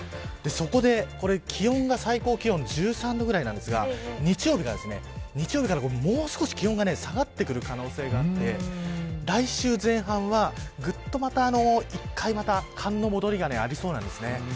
そこで、気温が最高気温１３度ぐらいなんですが日曜日から、もう少し気温が下がってくる可能性があって来週前半はぐっと１回また寒の戻りがありそうなんです。